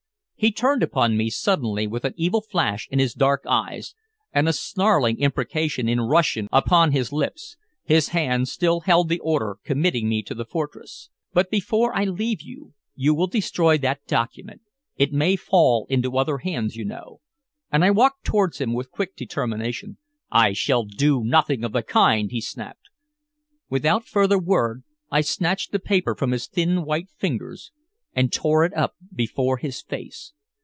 He turned upon me suddenly with an evil flash in his dark eyes, and a snarling imprecation in Russian upon his lips. His hand still held the order committing me to the fortress. "But before I leave you will destroy that document. It may fall into other hands, you know," and I walked towards him with quick determination. "I shall do nothing of the kind!" he snapped. Without further word I snatched the paper from his thin white fingers and tore it up before his face.